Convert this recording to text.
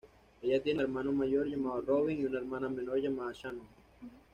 Ella tiene un hermano mayor llamado Robyn y una hermana menor llamada Shannon.